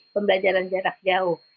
pembelajaran jarak jauh